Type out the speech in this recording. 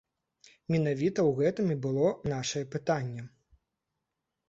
Менавіта ў гэтым і было нашае пытанне.